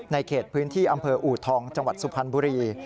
เขตพื้นที่อำเภออูทองจังหวัดสุพรรณบุรี